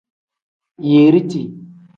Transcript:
Yiriti.